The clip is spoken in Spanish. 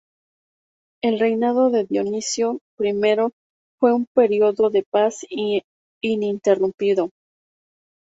El reinado de Dionisio I fue un periodo de paz ininterrumpido.